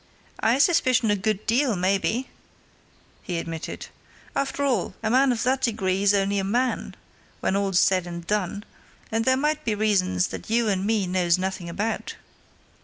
"I suspicion a good deal, maybe," he admitted. "After all, even a man of that degree's only a man, when all's said and done, and there might be reasons that you and me knows nothing about.